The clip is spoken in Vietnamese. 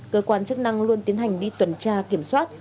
cơ quan chức năng luôn tiến hành đi tuần tra kiểm soát